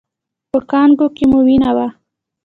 په کانګو کې مو وینه وه؟